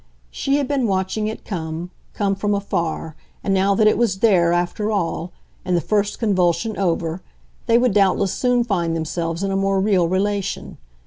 She had been watching it come, come from afar, and now that it was there, after all, and the first convulsion over, they would doubtless soon find themselves in a more real relation.